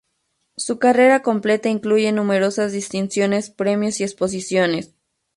Su carrera completa incluye numerosas distinciones, premios y exposiciones.